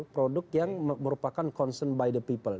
produk yang merupakan concern by the people